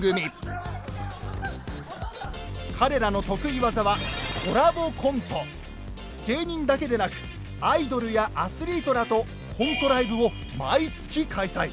彼らの得意技は芸人だけでなくアイドルやアスリートらとコントライブを毎月開催！